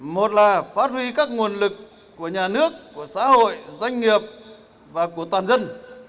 một là phát huy các nguồn lực của nhà nước của xã hội doanh nghiệp và của toàn dân